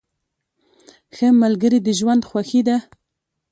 ښه ملګري د ژوند خوښي ده.